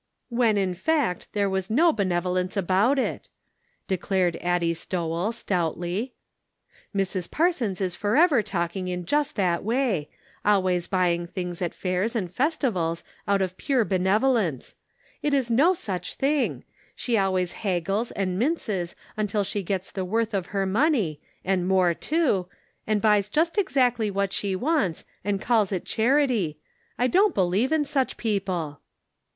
" When, in fact, there was no benevolence about it," declared Addie Stowell, stoutly. Mrs. Parsons is forever talking in just that way ; always buying things at fairs and festivals, out of pure benevolence. It is no such thing ; she always haggles and minces until she gets the worth of her money, and more too, and buys just exactly what she wants, and calls it charity. I don't believe in such people."